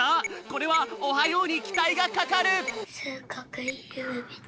これは「おはよう」にきたいがかかる！